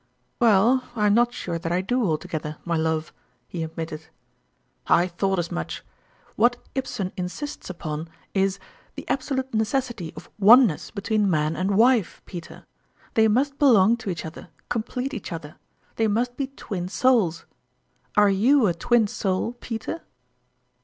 " Well, I'm not sure that I do altogether, my love," he admitted. " I thought as much ! What Ibsen insists 110 tourmalin's ime Cheques. upon is, the absolute necessity of one ness be tween man and wife, Peter. They must belong to each other, complete each other they must be Twin Souls. Are you a Twin Soul, Peter